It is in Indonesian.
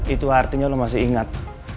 itu artinya lo masih ingat